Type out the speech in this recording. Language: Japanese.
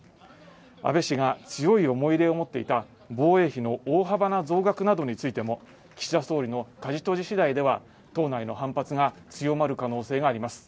安倍氏が強い思い入れを持っていた防衛費の大幅な増額などについても岸田総理の舵取り次第では党内の反発が強まる可能性があります